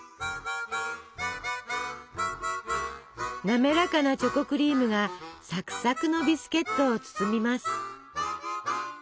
滑らかなチョコクリームがサクサクのビスケットを包みます。